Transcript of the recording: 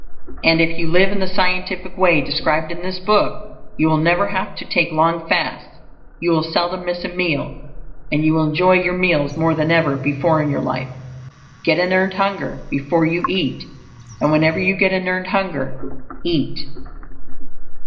And if you live in the scientific way described in this book, you will never have to take long fasts; you will seldom miss a meal, and you will enjoy your meals more than ever before in your life. Get an earned hunger before you eat; and whenever you get an earned hunger, eat.